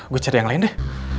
gue cari yang lain deh